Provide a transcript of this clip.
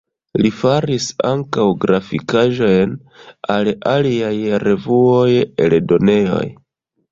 Li faris ankaŭ grafikaĵojn al aliaj revuoj, eldonejoj.